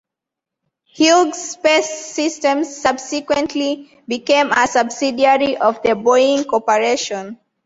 Hughes Space Systems subsequently became a subsidiary of the Boeing Corporation.